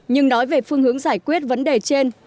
nhưng nói về phương hướng giải quyết vấn đề trên